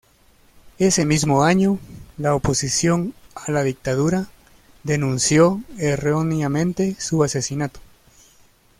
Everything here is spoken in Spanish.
Ese mismo año, la oposición a la dictadura denunció erróneamente su asesinato.